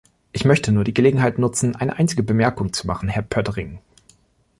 Ich möchte nur die Gelegenheit nutzen, eine einzige Bemerkung zu machen, Herr Poettering.